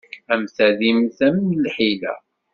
Am tadimt, am lḥila.